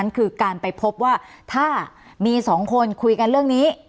คือการไปพบว่าถ้ามี๒คนคุยกันเรื่องนี้